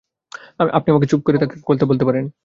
আপনি আমাকে চুপ করতে বলতে পারেন।